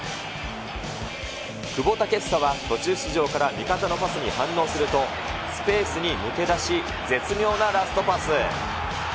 久保建英は途中出場から味方のパスに反応すると、スペースに抜け出し、絶妙なラストパス。